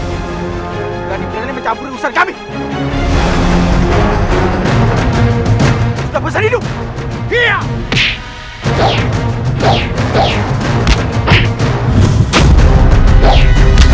berani berani mencampurkan usaha kami